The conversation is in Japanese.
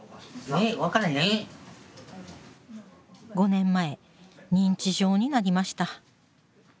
５年前認知症になりました。